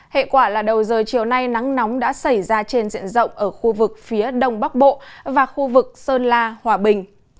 hệ quả là đầu giờ chiều nay nắng nóng đã xảy ra trên diện rộng ở khu vực phía đông bắc bộ và khu vực sơn la hòa bình